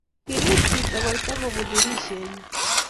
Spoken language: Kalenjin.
Kiwir chito koita kobun tirishenyuu